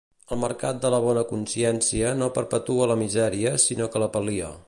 El mercat de la bona consciència no perpetua la misèria sinó que la pal·lia.